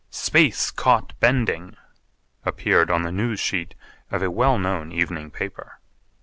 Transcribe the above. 'Space caught bending' appeared on the news sheet of a well known evening paper.